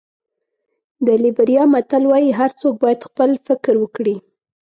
د لېبریا متل وایي هر څوک باید خپل فکر وکړي.